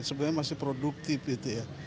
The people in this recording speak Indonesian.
sebenarnya masih produktif gitu ya